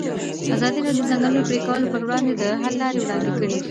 ازادي راډیو د د ځنګلونو پرېکول پر وړاندې د حل لارې وړاندې کړي.